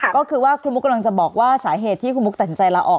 ก็คือว่าคุณมุกกำลังจะบอกว่าสาเหตุที่คุณมุกตัดสินใจลาออก